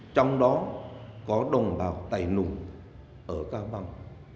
trong đó có đồng bào tài nùng ở cao bằng